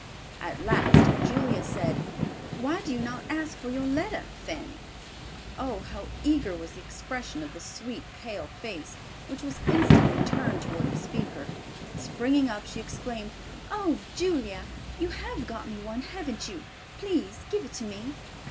At last Julia said, "Why do you not ask for your letter, Fanny?" Oh, how eager was the expression of the sweet, pale face which was instantly turned toward the speaker. Springing up she exclaimed, "Oh, Julia, you have got me one, haven't you? Please give it to me."